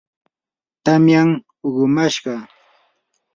tamyam uqumashqa.